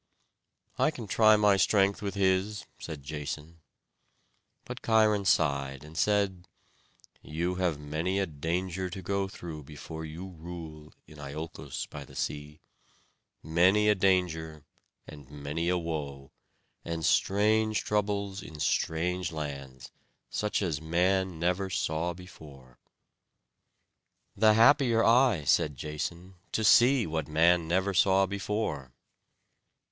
"I can try my strength with his," said Jason. But Cheiron sighed and said: "You have many a danger to go through before you rule in Iolcos by the sea; many a danger, and many a woe; and strange troubles in strange lands, such as man never saw before." "The happier I," said Jason, "to see what man never saw before."